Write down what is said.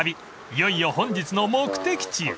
いよいよ本日の目的地へ］